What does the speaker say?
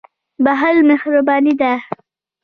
• بښل مهرباني ده.